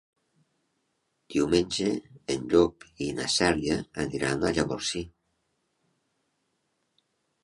Diumenge en Llop i na Cèlia aniran a Llavorsí.